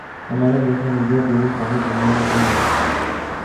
ہمارے جیسا میڈیا پوری اسلامی دنیا میں کہیں نہیں۔